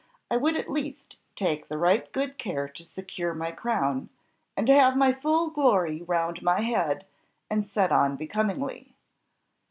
I would at least take right good care to secure my crown, and to have my full glory round my head, and set on becomingly.